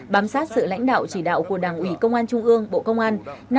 bám sát sự lãnh đạo chỉ đạo của đảng ủy công an trung ương bộ công an